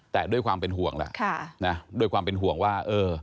แต่ด้วยความเป็นห่วงล่ะด้วยความเป็นห่วงว่าเออ